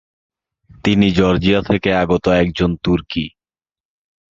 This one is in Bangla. তিনি জর্জিয়া থেকে আগত একজন তুর্কি।